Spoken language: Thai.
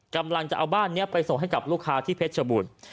กำลังจะเอาบ้านนี้ไปส่งให้กับลูกค้าที่เพชรชบูรณ์